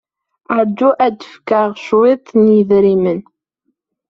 Ṛju ad ak-fkeɣ cwiṭ n yidrimen.